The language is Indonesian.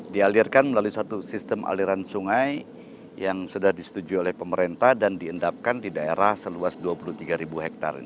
dialirkan melalui satu sistem aliran sungai yang sudah disetujui oleh pemerintah dan diendapkan di daerah seluas dua puluh tiga hektare